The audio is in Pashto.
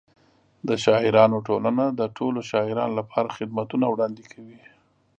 د شاعرانو ټولنه د ټولو شاعرانو لپاره خدمتونه وړاندې کوي.